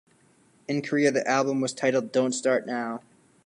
In Korea, the album was titled "Don't Start Now".